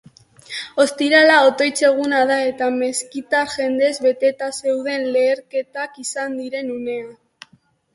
Ostirala otoitz eguna da eta meskitak jendez beteta zeuden leherketak izan diren unean.